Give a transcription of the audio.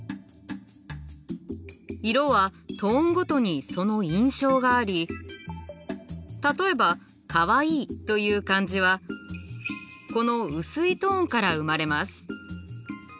色はトーンごとにその印象があり例えばかわいいという感じはこのうすいトーンから生まれます。